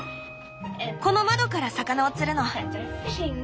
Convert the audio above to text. この窓から魚を釣るの。